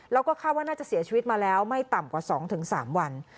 แล้วก็คาดว่าน่าจะเสียชีวิตมาแล้วไม่ต่ำกว่า๒๓วัน